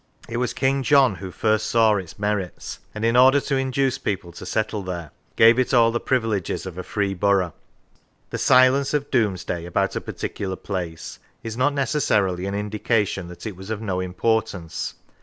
It was King John who first saw its merits, and in order to induce people to settle there, gave it all the privileges of a free borough. The silence of Domesday about a particular place is not necessarily an indication that it was of no importance.